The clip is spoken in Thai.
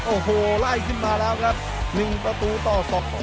โอ้โหล่ายขึ้นมาแล้วครับ๑ประตูต่อสะท้อน